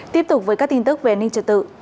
tiếp tục với các tin tức về an ninh trật tự